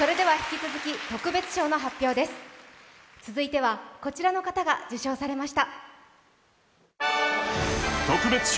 続いてはこちらの方が受賞されました。